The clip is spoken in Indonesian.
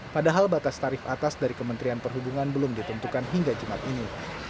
padahal batas tarif atas dari kementerian perhubungan belum ditentukan hingga jumat ini